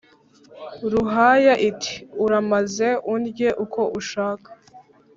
» ruhaya iti « uramaze undye uko ushaka,